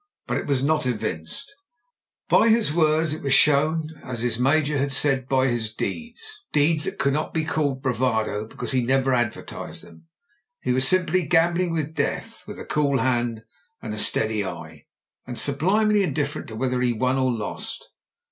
But it was not evinced 138 MEN, WOMEN AND GUNS by his words; it was shown, as his Major had said, by his deeds — deeds that could not be called bravado because he never advertised them. He was simply gambling with death, with a cool hand and a steady eye, and sublimely indifferent to whether he won or lost.